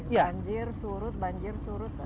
banjir surut banjir surut